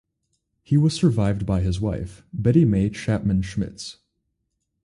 He was survived by his wife, Betty Mae Chapman Schmitz.